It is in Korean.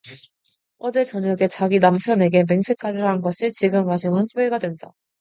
어제 저녁에 자기 남편에게 맹세까지 한 것이 지금 와서는 후회가 된다.